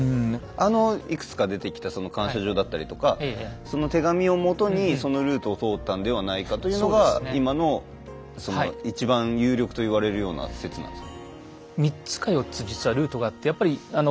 あのいくつか出てきたその感謝状だったりとかその手紙をもとにそのルートを通ったんではないかというのが今のその一番有力と言われるような説なんですか？